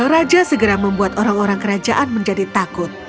raja segera membuat orang orang kerajaan menjadi takut